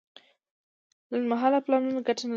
لنډمهاله پلانونه ګټه نه لري.